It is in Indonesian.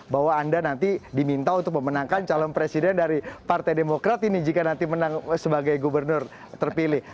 bahwa anda nanti diminta untuk memenangkan calon presiden dari partai demokrat ini jika nanti menang sebagai gubernur terpilih